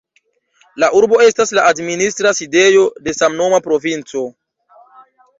La urbo estas la administra sidejo de samnoma provinco.